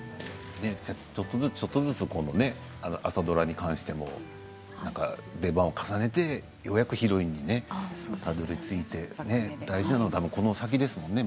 ちょっとずつちょっとずつ朝ドラに関しても出番を重ねてようやくヒロインにたどり着いて大事なのはこの先ですものね。